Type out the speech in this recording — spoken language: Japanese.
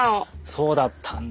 そうだったんだ。